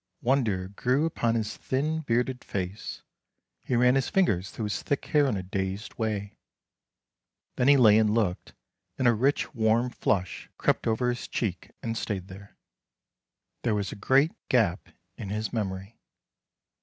Wonder grew upon his thin, bearded face, he ran his fingers through his thick hair in a dazed way. Then he lay and looked, and a rich warm flush crept over his cheek, and stayed there. There was a great gap in his memory.